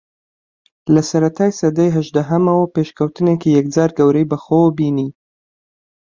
لە سەرەتای سەدەی ھەژدەھەمەوە پێشکەوتنێکی یەکجار گەورەی بەخۆوە بینی